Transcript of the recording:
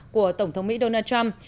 của tổng thống mỹ donald trump